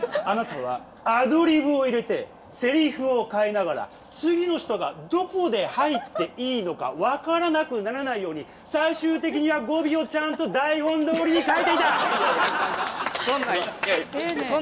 あなたはアドリブを入れてせりふを変えながら次の人がどこで入っていいのか分からなくならないように最終的には語尾をちゃんと台本どおりにかえていた。